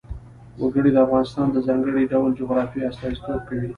وګړي د افغانستان د ځانګړي ډول جغرافیه استازیتوب کوي.